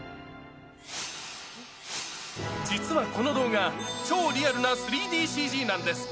実はこの動画、超リアルな３ＤＣＧなんです。